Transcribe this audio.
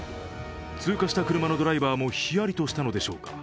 通過した車のドライバーもヒヤリとしたのでしょうか。